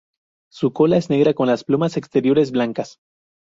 Su cola es negra con las plumas exteriores blancas.